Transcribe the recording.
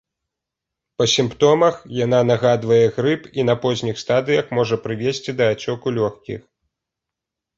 Па сімптомах яна нагадвае грып і на позніх стадыях можа прывесці да ацёку лёгкіх.